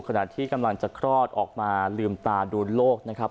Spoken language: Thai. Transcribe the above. ขณะที่กำลังจะคลอดออกมาลืมตาดูโลกนะครับ